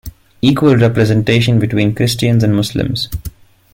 Equal representation between Christians and Muslims.